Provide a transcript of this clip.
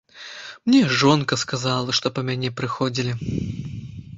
Мне жонка сказала, што па мяне прыходзілі.